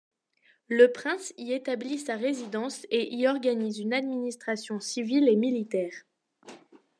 Le prince y établit sa résidence et y organise une administration civile et militaire.